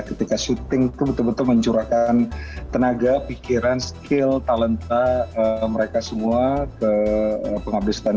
ketika syuting itu betul betul mencurahkan tenaga pikiran skill talenta mereka semua ke penghabistan